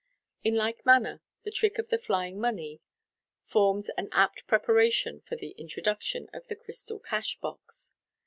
In like manner, the trick of the " Flying Money *' (see page 172) forms an apt preparation for the introduction of the " Crystal Cash box " (page 487).